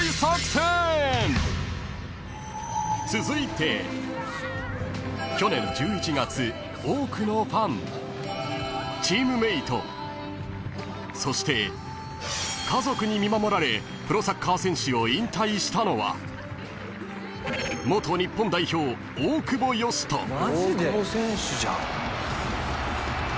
［続いて去年１１月多くのファンチームメートそして家族に見守られプロサッカー選手を引退したのは元日本代表大久保嘉人］